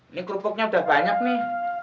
ini kerupuknya udah banyak nih